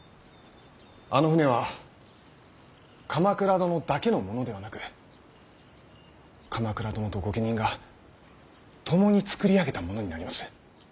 あの船は鎌倉殿だけのものではなく鎌倉殿と御家人が共につくり上げたものになります。